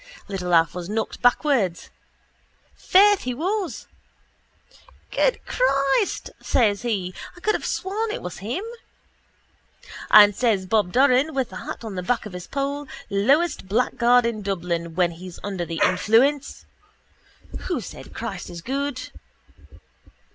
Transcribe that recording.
Little Alf was knocked bawways. Faith, he was. —Good Christ! says he. I could have sworn it was him. And says Bob Doran, with the hat on the back of his poll, lowest blackguard in Dublin when he's under the influence: —Who said Christ is good?